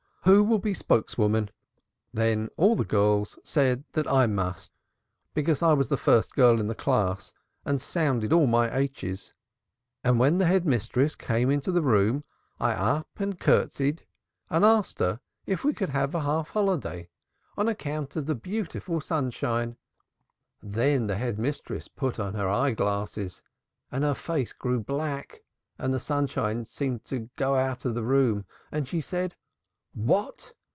Who will be spokes woman?' Then all the girls said I must be because I was the first girl in the class and sounded all my h's, and when the Head Mistress came into the room I up and curtseyed and asked her if we could have a holiday this afternoon on account of the beautiful sunshine. Then the Head Mistress put on her eye glasses and her face grew black and the sunshine seemed to go out of the room. And she said 'What!